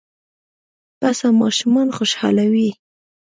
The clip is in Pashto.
پسه ماشومان خوشحالوي.